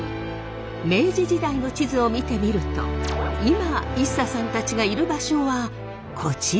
明治時代の地図を見てみると今ＩＳＳＡさんたちがいる場所はこちらです。